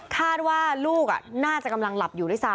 คาดว่าลูกน่าจะกำลังหลับอยู่ด้วยซ้